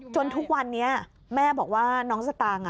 ทุกวันนี้แม่บอกว่าน้องสตางค์